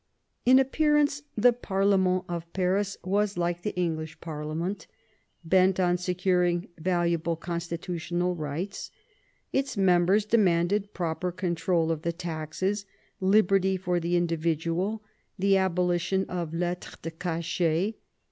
In appearance the parlement of Paris was like the English parliament, bent on securing valuable constitu tional rights. Its members demanded proper control of the taxes, liberty for the individual, the abolition of letires de cachet.